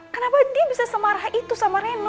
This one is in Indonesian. kenapa dia bisa semarah itu sama rena